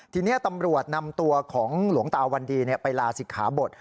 ทีนี้ตำรวจนำตัวของหลวงตาวันดีไปลาศิกขาบท